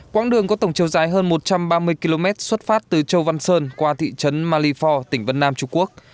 quãng đường có tổng chiều dài hơn một trăm ba mươi km xuất phát từ châu văn sơn qua thị trấn malifor tỉnh vân nam trung quốc